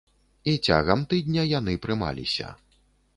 І цягам тыдня яны прымаліся.